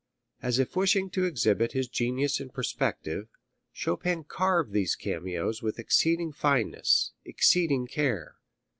As if wishing to exhibit his genius in perspective, Chopin carved these cameos with exceeding fineness, exceeding care.